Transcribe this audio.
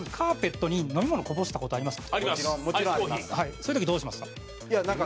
そういう時どうしますか？